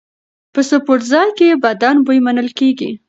په سپورتځای کې بدن بوی منل کېږي.